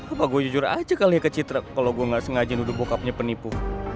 apa gue jujur aja kali ya kecitra kalau gue gak sengaja duduk bokapnya penipu